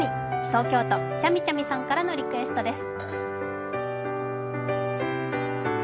東京都・ちゃみちゃみさんからのリクエストです。